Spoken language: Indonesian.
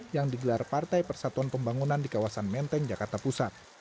yang digelar partai persatuan pembangunan di kawasan menteng jakarta pusat